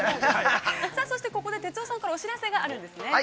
◆そしてここで哲夫さんからお知らせがあるんですね。